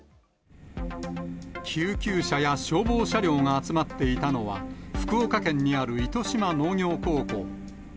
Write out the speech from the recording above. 救急車や消防車両が集まっていたのは、福岡県にある糸島農業高校。